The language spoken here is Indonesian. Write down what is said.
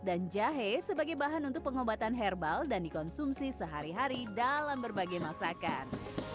dan jahe sebagai bahan untuk pengobatan herbal dan dikonsumsi sehari hari dalam berbagai masakan